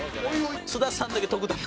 津田さんだけ特段。